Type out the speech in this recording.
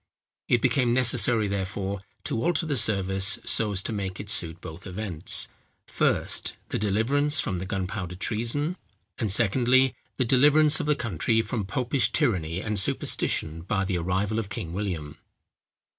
It became necessary, therefore, to alter the service so as to make it suit both events; first, the deliverance from the gunpowder treason; and secondly, the deliverance of the country from popish tyranny and superstition by the arrival of King William.